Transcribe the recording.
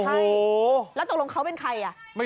แล้วมึงมีสิ่งประมาณกันทำไมแล้วมึงมีสิ่งประมาณกันทำไม